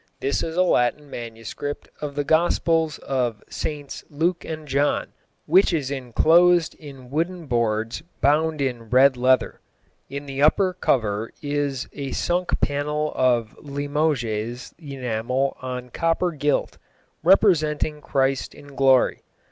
This is a Latin manuscript of the Gospels of SS. Luke and John, which is enclosed in wooden boards bound in red leather. In the upper cover is a sunk panel of Limoges enamel on copper gilt, representing Christ in glory.